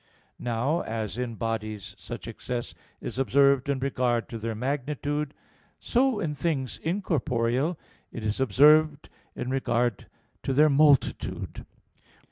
Now, as in bodies such excess is observed in regard to their magnitude, so in things incorporeal is it observed in regard to their multitude.